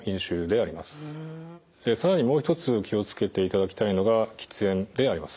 更にもう一つ気を付けていただきたいのが喫煙であります。